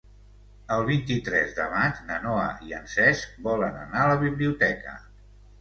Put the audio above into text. El vint-i-tres de maig na Noa i en Cesc volen anar a la biblioteca.